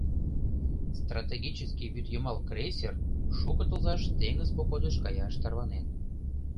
Стратегический вӱдйымал крейсер шуко тылзаш теҥыз походыш каяш тарванен.